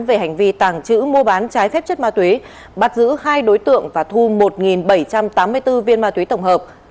về hành vi tàng trữ mua bán trái phép chất ma túy bắt giữ hai đối tượng và thu một bảy trăm tám mươi bốn viên ma túy tổng hợp